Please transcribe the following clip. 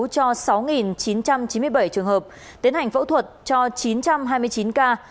cho sáu chín trăm chín mươi bảy trường hợp tiến hành phẫu thuật cho chín trăm hai mươi chín ca